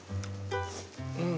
うん。